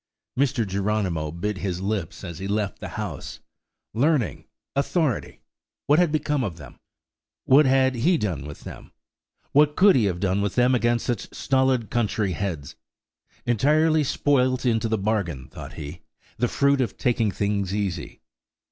Mr. Geronimo bit his lips as he left the house. Learning!–authority!–what had become of them? What had he done with them? What could he have done with them against such stolid country heads? Entirely spoilt into the bargain, thought he–the fruit of taking things easy.